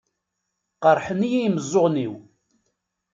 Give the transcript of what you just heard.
Qeṛḥen-iyi imeẓẓuɣen-iw.